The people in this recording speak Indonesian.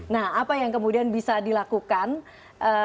nah apa yang kemudian bisa dilakukan